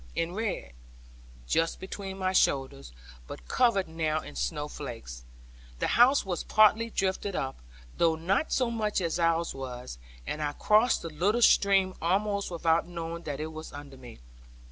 in red, just between my shoulders, but covered now in snow flakes. The house was partly drifted up, though not so much as ours was; and I crossed the little stream almost without knowing that it was under me.